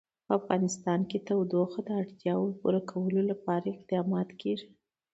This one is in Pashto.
په افغانستان کې د تودوخه د اړتیاوو پوره کولو لپاره اقدامات کېږي.